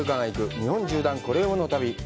日本縦断コレうまの旅」。